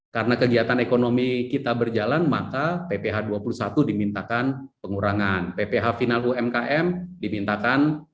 karena kegiatan ekonomi kita berjalan maka pph dua puluh satu dimintakan pengurangan pph final umkm dimintakan